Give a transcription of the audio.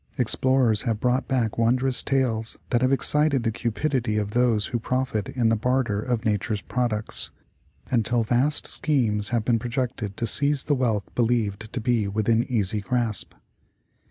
Explorers have brought back wondrous tales that have excited the cupidity of those who profit in the barter of nature's products, until vast schemes have been projected to seize the wealth believed to be within easy grasp.